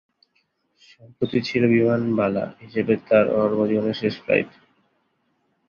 সম্প্রতি ছিল বিমানবালা হিসেবে তাঁর কর্মজীবনের শেষ ফ্লাইট।